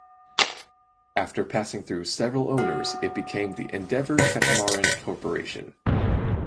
After passing through several owners it became the Endeavour Catamaran Corporation.